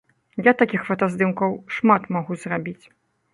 Я такіх фотаздымкаў шмат магу зрабіць.